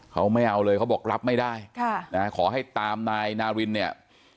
เขาไม่เอาเลยเขาบอกรับไม่ได้ขอให้ตามนายนารินเนี่ย